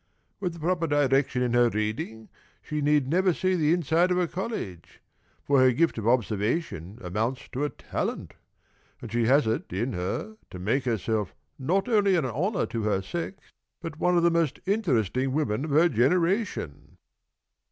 With the proper direction in her reading, she need never see the inside of a college, for her gift of observation amounts to a talent, and she has it in her to make herself not only an honor to her sex, but one of the most interesting women of her generation."